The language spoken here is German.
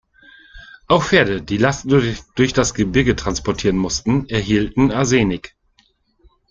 Auch Pferde, die Lasten durch das Gebirge transportieren mussten, erhielten Arsenik.